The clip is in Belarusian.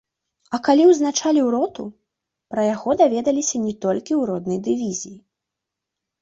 А калі ўзначаліў роту, пра яго даведаліся не толькі ў роднай дывізіі.